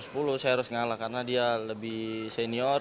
saya harus ngalah karena dia lebih senior